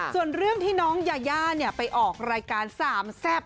ส่วนเรื่องที่น้องยาย่าไปออกรายการสามแซ่บ